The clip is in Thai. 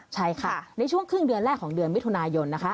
ใช่ค่ะในช่วงครึ่งเดือนแรกของเดือนมิถุนายนนะคะ